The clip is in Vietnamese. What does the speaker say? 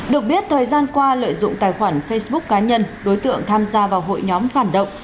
được biết thời gian qua lợi dụng tài khoản facebook cá nhân đối tượng tham gia vào hội nhóm phản động